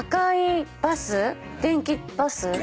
電気バス？